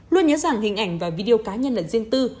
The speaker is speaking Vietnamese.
luôn nhớ rằng hình ảnh và video cá nhân lần riêng tư